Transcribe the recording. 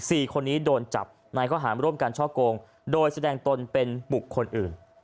สี่คนนี้โดนจับในข้อหารร่วมกันช่อโกงโดยแสดงตนเป็นบุคคลอื่น